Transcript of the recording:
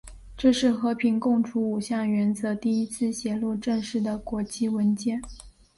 这是和平共处五项原则第一次写入正式的国际文件。